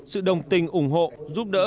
sự đồng tình ủng hộ giúp đỡ